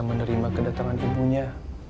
menerima kedatangan ibunya